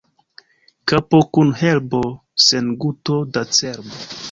Kapo kun herbo, sen guto da cerbo.